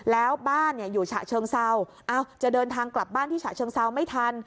แล้วบ้านอยู่ฉะเชิงเซาจะเดินทางกลับบ้านที่ฉะเชิงเซาไม่ทัน